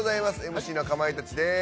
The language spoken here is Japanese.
ＭＣのかまいたちです